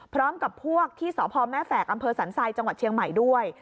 พร้อมกับพวกที่สพแม่แฝกอำเภอสันทรายจังหวัดเชียงใหม่ด้วย